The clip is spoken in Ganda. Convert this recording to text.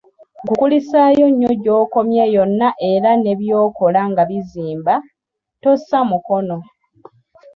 Nkukulisaayo nnyo gy'okomye yonna era ne by'okola nga bizimba, tossa mukono!